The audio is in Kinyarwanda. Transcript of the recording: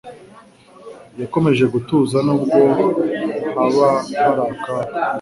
Yakomeje gutuza nubwo haba hari akaga.